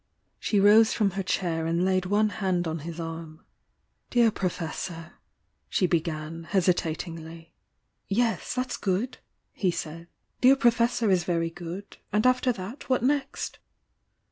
She rose from her chair and laid one hand on his arm. "Dear Professor " she began, hesitatingly. "Yes— that's good!" he said. " 'Dear Professor' is very good! And after that, what next?"